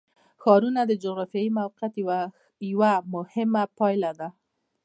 ښارونه د جغرافیایي موقیعت یوه مهمه پایله ده.